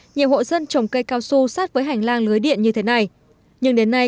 nhiều hộ dân trồng cây cao su sát với hành lang lưới điện như thế này nhưng đến nay